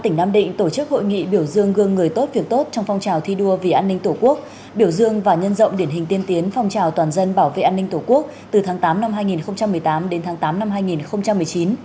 tỉnh nam định tổ chức hội nghị biểu dương gương người tốt việc tốt trong phong trào thi đua vì an ninh tổ quốc biểu dương và nhân rộng điển hình tiên tiến phong trào toàn dân bảo vệ an ninh tổ quốc từ tháng tám năm hai nghìn một mươi tám đến tháng tám năm hai nghìn một mươi chín